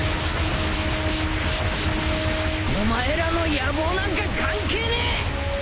お前らの野望なんか関係ねえ！